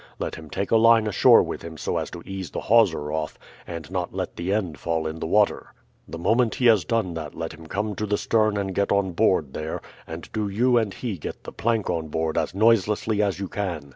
Let him take a line ashore with him so as to ease the hawser off, and not let the end fall in the water. The moment he has done that let him come to the stern and get on board there, and do you and he get the plank on board as noiselessly as you can.